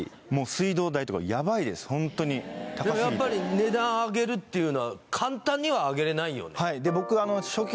ホントに高すぎて値段上げるっていうのは簡単には上げれないよね